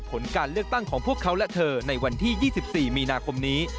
ผลการเลือกตั้งของพวกเขาและเธอในวันที่๒๔มีนาคมนี้